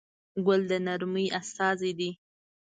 ګل د نرمۍ استازی دی.